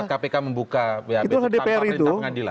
kalau kpk membuat kpk membuka bap itu tampaknya di tangan adilan